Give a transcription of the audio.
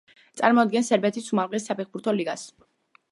წარმოადგენს სერბეთის უმაღლეს საფეხბურთო ლიგას.